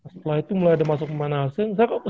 setelah itu mulai ada masuk ke main asing